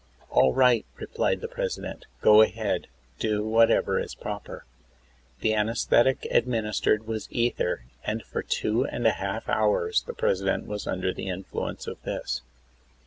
* "All right," replied the PIresident. "Go ahead. Do whatever is proper." The anesthetic administered was ether, and for two┬╗ and a half hours the President was under the influence of this.